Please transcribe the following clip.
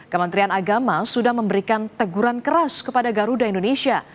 kementerian agama sudah memberikan teguran keras kepada garuda indonesia